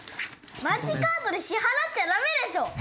マジカードで支払っちゃダメでしょ！